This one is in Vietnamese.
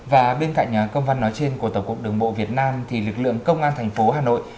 và bên cạnh công văn nói trên của tổng cục đường bộ việt nam thì lực lượng công an thành phố hà nội